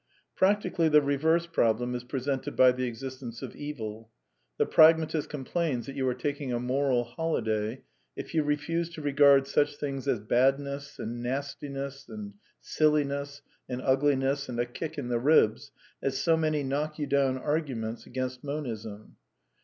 Practically the reverse problem is presented by the existence of eviL The pragmatist complains that you are ^taking a moral holiday" if you refuse to regard such things as badness, and Hastiness, and silliness, and ugli ness, and a kick in the ribs, as so many knock you down arguments against Monism.